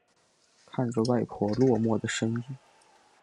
看着外婆落寞的身影